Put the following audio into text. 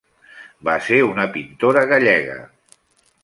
Va ser una pintora gallega.